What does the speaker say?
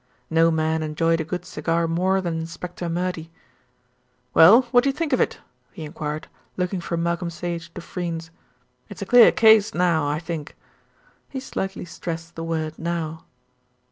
No man enjoyed a good cigar more than Inspector Murdy. "Well, what do you think of it?" he enquired, looking from Malcolm Sage to Freynes. "It's a clear case now, I think." He slightly stressed the word "now."